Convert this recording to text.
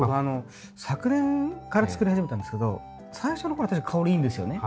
昨年から作り始めたんですけど最初の頃確かに香りいいんですよね。